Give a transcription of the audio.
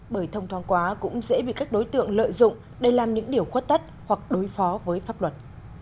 bởi thông thoáng quá cũng dễ bị các đối tượng lợi dụng để làm những điều khuất tất hoặc đối phó với pháp luật